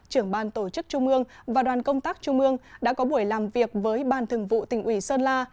trưởng ban tổ chức trung ương và đoàn công tác trung ương đã có buổi làm việc với ban thường vụ tỉnh ủy sơn la